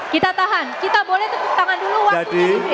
kita tahan kita boleh tepuk tangan dulu waktunya di sini